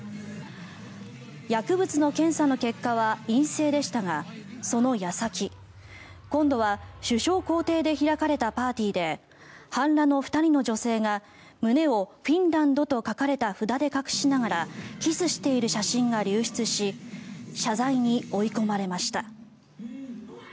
薬物の検査の結果は陰性でしたがその矢先今度は首相公邸で開かれたパーティーで半裸の２人の女性が胸をフィンランドと書かれた札で隠しながらキスしている写真が流出し謝罪に追い込まれました。